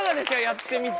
やってみて。